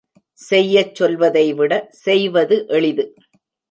செய்யச் சொல்வதைவிட செய்வது எளிது.